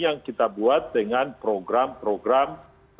yang kita buat dengan program program